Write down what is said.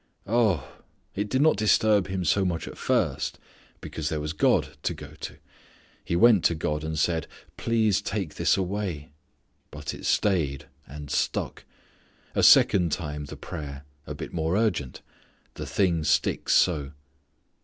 Ugh! It did not disturb him so much at first, because there was God to go to. He went to God and said, "Please take this away." But it stayed and stuck. A second time the prayer; a bit more urgent; the thing sticks so.